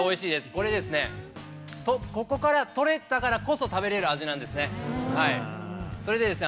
これ、ここから取れたからこそ食べれる味なんですね。